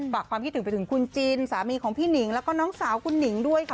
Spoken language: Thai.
ฝากความคิดถึงไปถึงคุณจินสามีของพี่หนิงแล้วก็น้องสาวคุณหนิงด้วยค่ะ